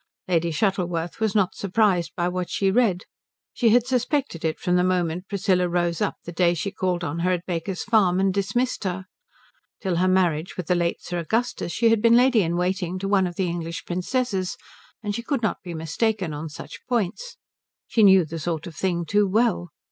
Lady Shuttleworth was not surprised by what she read. She had suspected it from the moment Priscilla rose up the day she called on her at Baker's Farm and dismissed her. Till her marriage with the late Sir Augustus she had been lady in waiting to one of the English princesses, and she could not be mistaken on such points. She knew the sort of thing too well.